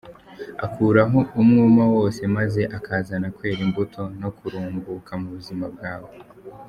Akuraho umwuma wose maze akazana kwera imbuto no kurumbuka mu buzima bwawe.